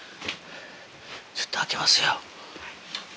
ちょっと開けますよ。